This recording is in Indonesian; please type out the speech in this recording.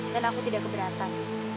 dan aku tidak keberatan